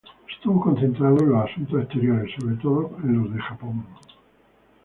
Estuvo concentrado en los asuntos exteriores, sobre todo con los de Japón.